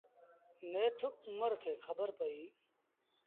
نيٺ اُمر کي کبر پئيٚ۔